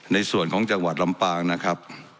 ในส่วนของจังหวัดลำปางนะครับ